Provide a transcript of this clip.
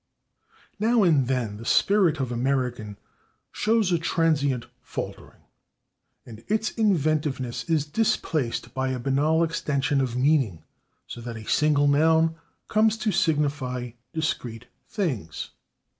Now and then the spirit of American shows a transient faltering, and its inventiveness is displaced by a banal extension of meaning, so that a single noun comes to signify discrete things.